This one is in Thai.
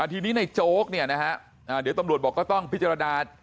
ทีนี้ในโจ๊กเนี่ยนะฮะเดี๋ยวตำรวจบอกก็ต้องพิจารณา